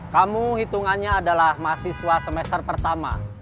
kamu hitungannya adalah mahasiswa semester pertama